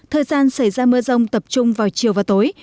thời gian xảy ra mưa rông tập trung vào chiều và tối